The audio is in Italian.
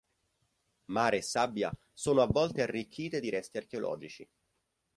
Mare e sabbia sono a volte arricchite di resti archeologici.